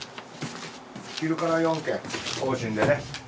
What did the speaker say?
昼から４軒往診でね。